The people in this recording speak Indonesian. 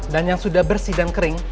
dan yang sudah bersih dan kering